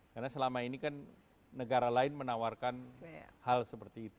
karena selama ini kan negara lain menawarkan hal seperti itu